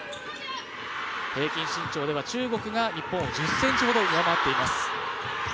平均身長では中国が日本を１０ｃｍほど上回っています。